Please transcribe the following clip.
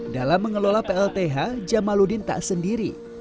dalam mengelola plth jamaludin tak sendiri